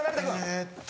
えっと。